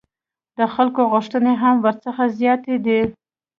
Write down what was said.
د خلکو غوښتنې هم ورڅخه زیاتې دي.